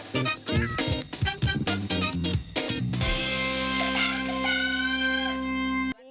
มุมเตียม